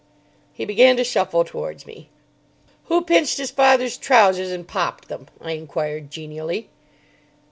He began to shuffle towards me. "Who pinched his father's trousers, and popped them?" I inquired genially.